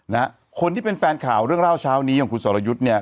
นะฮะคนที่เป็นแฟนข่าวเรื่องเล่าเช้านี้ของคุณสรยุทธ์เนี่ย